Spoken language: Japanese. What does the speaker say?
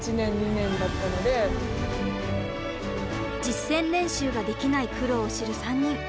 実戦練習ができない苦労を知る３人。